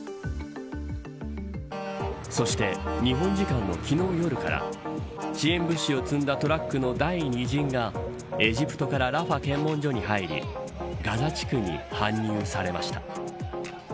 そして日本時間の昨日夜から支援物資を積んだトラックの第２陣がエジプトからラファ検問所に入りガザ地区に搬入されました。